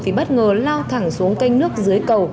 thì bất ngờ lao thẳng xuống canh nước dưới cầu